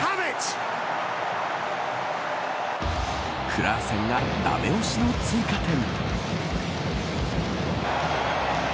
クラーセンがダメ押しの追加点。